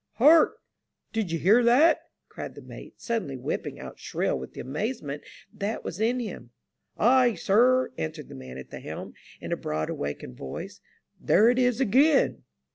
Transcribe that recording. " Hark ! Did you hear that ?" cried the mate, sud denly whipping out shrill with the amazement that was in him. '* Ay, sir," answered the man at the helm, in a broad awake voice. " There it is again."